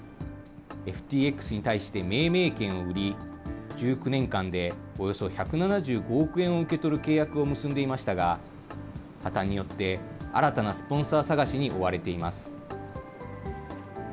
ＦＴＸに対して命名権を売り、１９年間でおよそ１７５億円を受け取る契約を結んでいましたが、破綻によって新たなスポンサー探しに追われています。